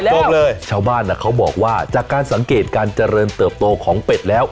บอกเลยชาวบ้านเขาบอกว่าจากการสังเกตการเจริญเติบโตของเป็ดแล้ว